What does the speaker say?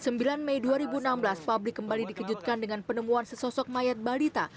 sembilan mei dua ribu enam belas publik kembali dikejutkan dengan penemuan sesosok mayat balita